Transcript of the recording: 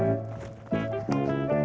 aku udah keras